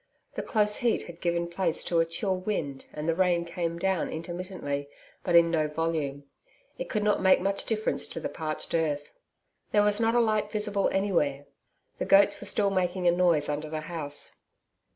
The close heat had given place to a chill wind and the rain came down intermittently but in no volume it could not make much difference to the parched earth. There was not a light visible anywhere. The goats were still making a noise under the house.